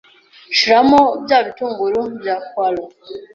shyiramo bya bitunguru bya poireaux